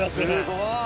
すごい。